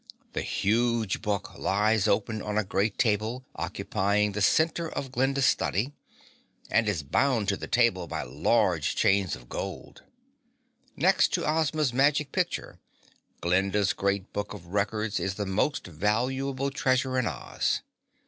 The huge book lies open on a great table, occupying the center of Glinda's study and is bound to the table by large chains of gold. Next to Ozma's Magic Picture, Glinda's Great Book of Records is the most valuable treasure in Oz.